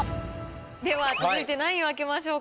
では続いて何位を開けましょうか。